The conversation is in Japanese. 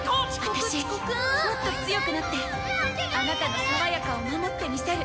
「私もっと強くなってあなたのさわやかを守ってみせる。